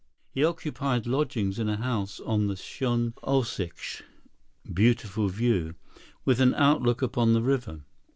He occupied lodgings in a house on the Schöne Aussicht (Beautiful View), with an outlook upon the river.